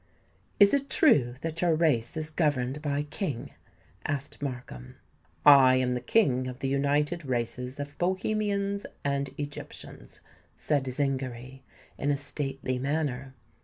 "Is it true that your race is governed by a King?" asked Markham. "I am the King of the united races of Bohemians and Egyptians," said Zingary, in a stately manner.